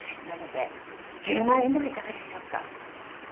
なので１０万円ではいかがでしょうか？